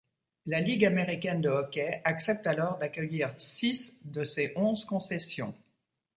La Ligue américaine de hockey accepte alors d'accueillir six de ces onze concessions.